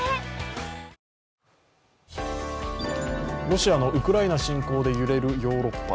ロシアのウクライナ侵攻で揺れるヨーロッパ。